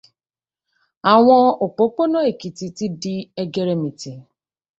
Àwọn òpópónà Èkìtì ti di ẹgẹrẹmìtì.